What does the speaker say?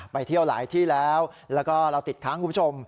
ไปเที่ยวหลายที่แล้วแล้วก็เราติดค้างคุณผู้ชม